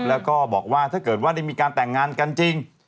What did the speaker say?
แล้วก็บอกว่าถ้าเกิดว่าได้มีการแต่งงานกันจริง